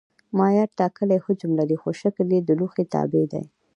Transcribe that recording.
مایعات ټاکلی حجم لري خو شکل یې د لوښي تابع دی.